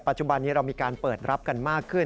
จุบันนี้เรามีการเปิดรับกันมากขึ้น